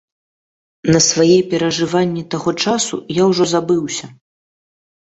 На свае перажыванні таго часу я ўжо забыўся.